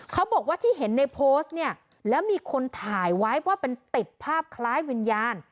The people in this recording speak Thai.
เขาบอกว่าที่เห็นในโพสต์เนี่ยแล้วมีคนถ่ายไว้ว่าเป็นติดภาพคล้ายวิญญาณ